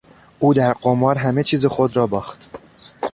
او در قمار همه چیز خود را باخت.